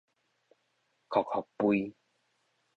硞硞吠